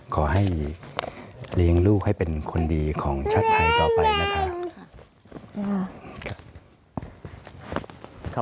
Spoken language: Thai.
ขอให้เลี้ยงลูกให้เป็นคนดีของชาติไทยต่อไปนะครับ